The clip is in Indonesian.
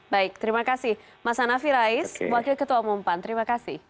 baik terima kasih mas anafi rais wakil ketua mumpan terima kasih